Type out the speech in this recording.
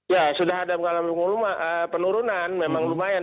ya sudah ada mengalami penurunan memang lumayan